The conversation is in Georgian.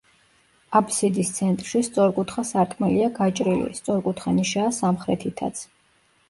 აბსიდის ცენტრში სწორკუთხა სარკმელია გაჭრილი, სწორკუთხა ნიშაა სამხრეთითაც.